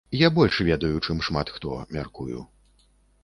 Я больш ведаю, чым шмат хто, мяркую.